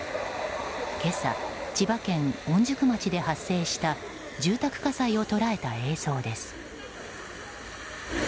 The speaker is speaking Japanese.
今朝、千葉県御宿町で発生した住宅火災を捉えた映像です。